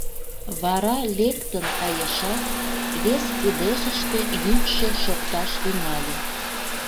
Вара лектын кайышат, вес кыдежыште йӱкшӧ шокташ тӱҥале: